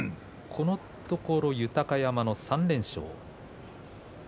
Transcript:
このところ豊山の３連勝。